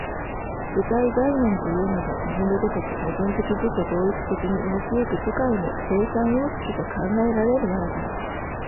具体概念というのが右の如く矛盾的自己同一的に動き行く世界の生産様式と考えられるならば、